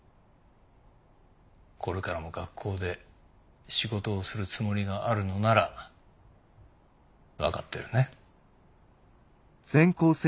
これからも学校で仕事をするつもりがあるのなら分かってるね？